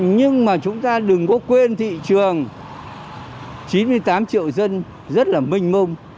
nhưng mà chúng ta đừng có quên thị trường chín mươi tám triệu dân rất là mênh mông